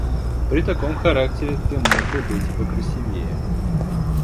При таком характере ты мог бы быть и покрасивее.